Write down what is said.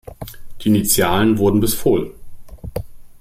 Die Initialen wurden bis fol.